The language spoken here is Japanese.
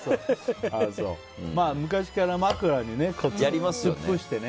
昔から枕に突っ伏してね。